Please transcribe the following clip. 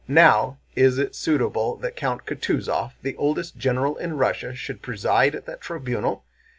"Now, is it suitable that Count Kutúzov, the oldest general in Russia, should preside at that tribunal?